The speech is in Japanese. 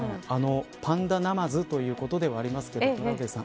パンダナマズということではありますが、トラウデンさん